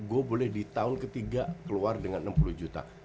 gue boleh di tahun ketiga keluar dengan enam puluh juta